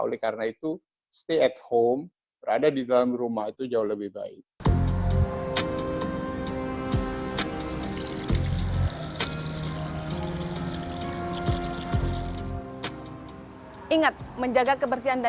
oleh karena itu stay at home berada di dalam rumah itu jauh lebih baik